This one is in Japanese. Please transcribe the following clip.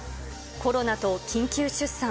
コロナと緊急出産。